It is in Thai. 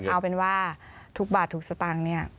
เอาเป็นว่าทุกบาททุกสตางค์เนี่ย